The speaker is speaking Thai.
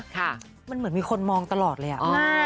ค่ะมันเหมือนมีคนมองตลอดเลยอ่ะ